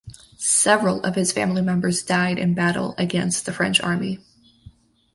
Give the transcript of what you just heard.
Several of his family members died in battle against the French army.